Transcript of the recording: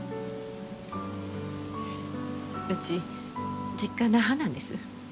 うち実家那覇なんです。